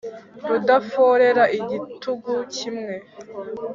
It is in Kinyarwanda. Rudaforera igitugu kimwe